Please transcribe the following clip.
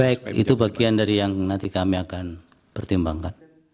baik itu bagian dari yang nanti kami akan pertimbangkan